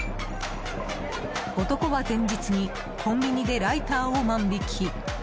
男は、前日にコンビニでライターを万引き。